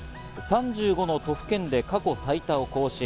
３５の都府県で過去最多を更新。